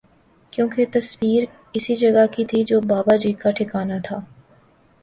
کیوں کہ تصویر اسی جگہ کی تھی جو باباجی کا ٹھکانہ تھا